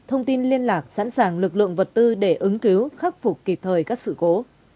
thông tin liên lạc sẵn sàng lực lượng vật tư để ứng cứu khắc phục kịp thời các sự cố